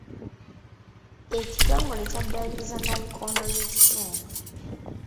Ekitongole kyaddaabirizza nnayikondo y'ekitundu.